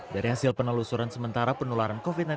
dari hasil penelusuran sementara penularan covid sembilan belas